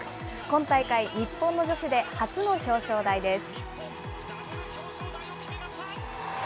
今大会、日本の女子で初の表彰台です。